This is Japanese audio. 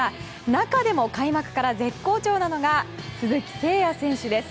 中でも開幕から絶好調なのが鈴木誠也選手です。